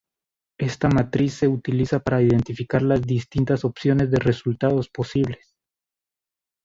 Esta matriz se utiliza para identificar las distintas opciones de resultados posibles.